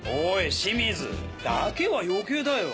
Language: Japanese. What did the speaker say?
清水「だけ」は余計だよ。